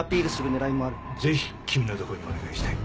ぜひ君のとこにお願いしたい。